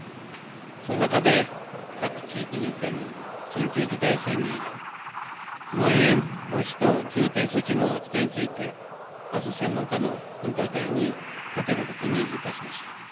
その中で各地域における緊急事態宣言やまん延防止等重点措置の扱いについてあす専門家の分科会にかけることにいたしました。